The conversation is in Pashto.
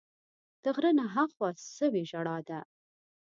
د غره نه ها خوا سوې ژړا ده